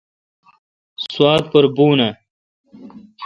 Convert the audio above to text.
سوات پر بون آں؟